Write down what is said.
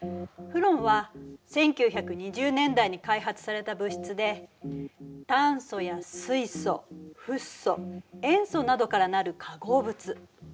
フロンは１９２０年代に開発された物質で炭素や水素フッ素塩素などから成る化合物。